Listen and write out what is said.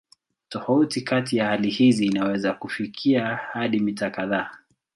Tofauti kati ya hali hizi inaweza kufikia hadi mita kadhaa.